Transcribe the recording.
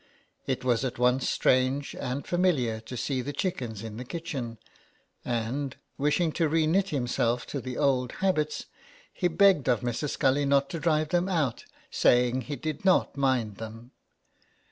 It was at once strange and familiar to see the chickens in the kitchen ; and, wishing to re knit himself to the old habits, he begged of Mrs. Scully not to drive them out, saying he did not mind them.